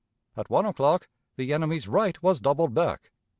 At one o'clock the enemy's right was doubled back.